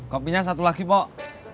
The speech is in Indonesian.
kopinya satu lagi pok